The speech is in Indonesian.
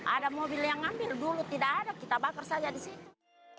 ada mobil yang ngambil dulu tidak ada kita bakar saja di situ